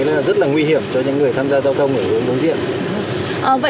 là rất là nguy hiểm cho những người tham gia giao thông ở đối diện